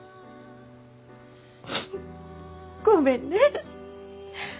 ごめんね。